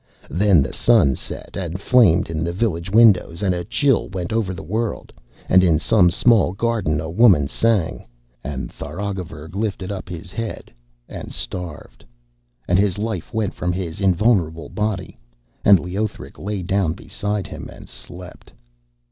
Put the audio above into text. Then the sun set and flamed in the village windows, and a chill went over the world, and in some small garden a woman sang; and Tharagavverug lifted up his head and starved, and his life went from his invulnerable body, and Leothric lay down beside him and slept.